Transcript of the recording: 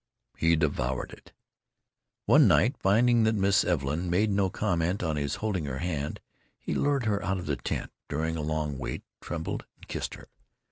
He devoured it. One night, finding that Miss Evelyn made no comment on his holding her hand, he lured her out of the tent during a long wait, trembled, and kissed her.